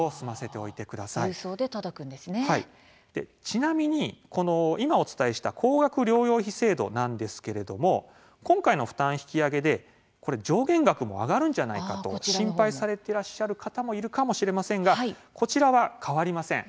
ちなみに、今お伝えした高額療養費制度なんですけれども今回の負担引き上げで上限額も上がるんじゃないかと心配されていらっしゃる方もいるかもしれませんがこちらは変わりません。